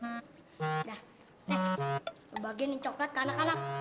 nih kebagian ini coklat ke anak anak